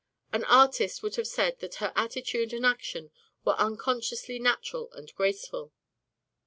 An artist would have said that her attitude and action were unconsciously natural and graceful.